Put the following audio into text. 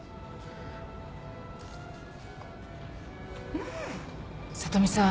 うん